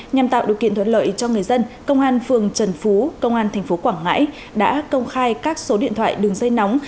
nhằm tạo điều kiện thuận lợi cho người dân công an phường trần phú công an tp quảng ngãi đã công khai các số điện thoại đường dây nóng